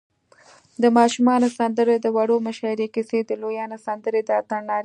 د ماشومانو سندرې، د وړو مشاعرې، کیسی، د لویانو سندرې، د اتڼ نارې